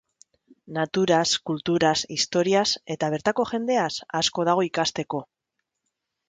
Naturaz, kulturaz, historiaz, eta bertako jendeaz asko dago ikasteko.